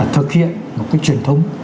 thực hiện một cái truyền thống